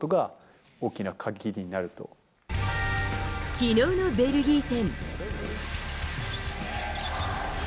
昨日のベルギー戦。